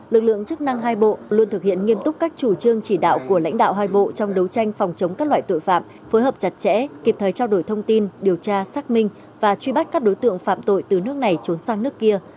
lực lượng chức năng hai bộ luôn thực hiện nghiêm túc các chủ trương chỉ đạo của lãnh đạo hai bộ trong đấu tranh phòng chống các loại tội phạm phối hợp chặt chẽ kịp thời trao đổi thông tin điều tra xác minh và truy bắt các đối tượng phạm tội từ nước này trốn sang nước kia